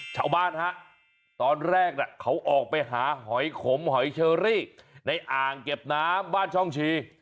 ชาวบ้านฮะตอนแรกเขาออกไปหาหอยขมหอยเชอรี่ในอ่างเก็บน้ำบ้านช่องชี